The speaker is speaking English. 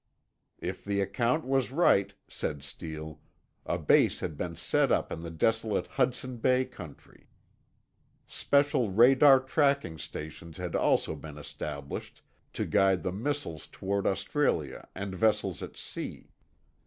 If the account was right, said Steele, a base had been set up in the desolate Hudson Bay country. Special radar tracking stations had also been established, to guide the missiles toward Australia and vessels at sea.